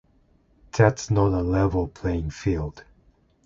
That's not a level playing field.